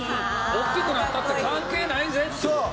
大きくなったって関係ないぜっていう。